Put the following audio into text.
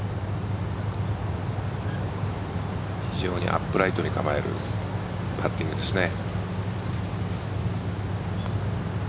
非常にアップライトに構えるパッティングですね。